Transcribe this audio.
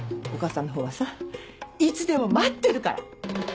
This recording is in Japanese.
お母さんのほうはさいつでも待ってるから。